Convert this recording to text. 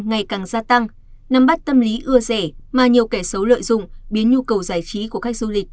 ngày càng gia tăng nắm bắt tâm lý ưa rể mà nhiều kẻ xấu lợi dụng biến nhu cầu giải trí của khách du lịch